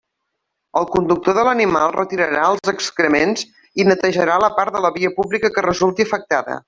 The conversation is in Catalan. El conductor de l'animal retirarà els excrements i netejarà la part de la via pública que resulti afectada.